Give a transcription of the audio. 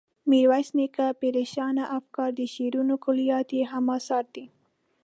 میرویس نیکه، پریشانه افکار، د شعرونو کلیات یې هم اثار دي.